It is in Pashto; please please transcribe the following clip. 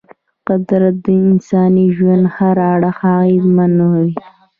قدرت د انساني ژوند هر اړخ اغېزمنوي.